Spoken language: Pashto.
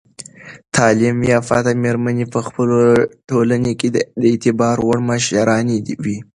تعلیم یافته میرمنې په خپلو ټولنو کې د اعتبار وړ مشرانې وي.